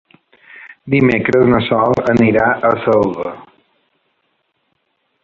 Dimecres na Sol anirà a Selva.